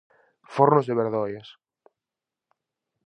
Fornos de Berdoias.